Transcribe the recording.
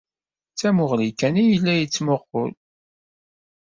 D tamuɣli kan ay yella yettmuqqul.